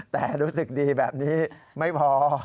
แต่รู้สึกดีแบบนี้ไม่พอ